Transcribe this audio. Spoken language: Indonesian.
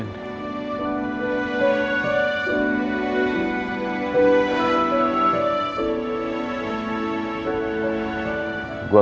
pangeran sama putri peja huner